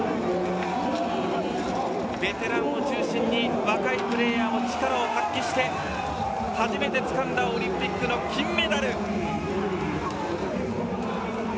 ベテランを中心に若いプレーヤーも力を発揮して初めてつかんだオリンピックの金メダル！